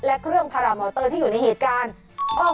และเครื่องพารามอเตอร์ที่อยู่ในเหตุการณ์